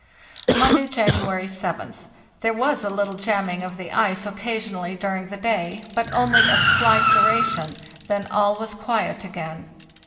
"Monday, January 7th. There was a little jamming of the ice occasionally during the day, but only of slight duration, then all was quiet again.